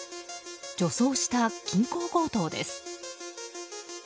女装した銀行強盗です。